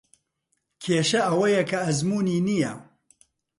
کێشە ئەوەیە کە ئەزموونی نییە.